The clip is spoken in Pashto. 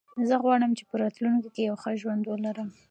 زه غواړم چې په راتلونکي کې یو ښه ژوند ولرم.